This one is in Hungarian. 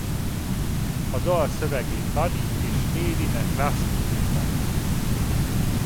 A dal szövegét Buddy és Mary McCluskey írták.